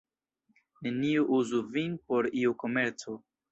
Neniu uzu vin por iu komerco.